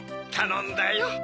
たのんだよ。